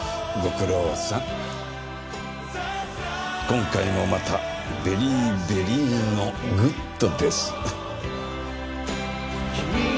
今回もまたベリーベリーのグッドです。